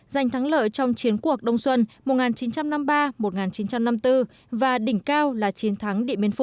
giành thắng lợi trong chiến cuộc đông xuân một nghìn chín trăm năm mươi ba một nghìn chín trăm năm mươi bốn và đỉnh cao là chiến thắng điện biên phủ